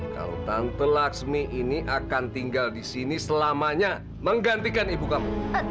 kalau tante laksmi ini akan tinggal disini selamanya menggantikan ibu kamu